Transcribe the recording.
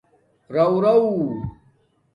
رَرَݹ